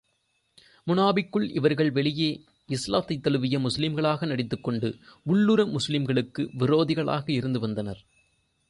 முனாபிக்குகள் இவர்கள் வெளியே இஸ்லாத்தைத் தழுவிய முஸ்லிம்களாக நடித்துக் கொண்டு, உள்ளுர முஸ்லிம்களுக்கு விரோதிகளாக இருந்து வந்தனர்.